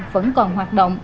vẫn còn hoạt động